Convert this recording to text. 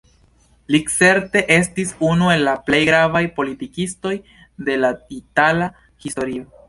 Li certe estis unu el la plej gravaj politikistoj de la itala historio.